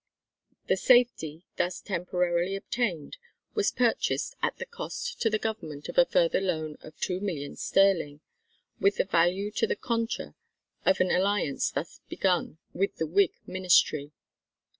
The safety thus temporarily obtained was purchased at the cost to the Government of a further loan of two million sterling with the value to the contra of an alliance thus begun with the Whig ministry.